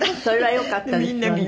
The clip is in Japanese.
それはよかったですよね。